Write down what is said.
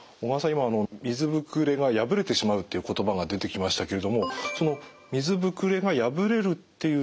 今あの水ぶくれが破れてしまうっていう言葉が出てきましたけれどもその水ぶくれが破れるっていう状況を避けた方がいいってことですか？